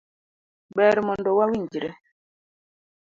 Ber mondo wa winjre.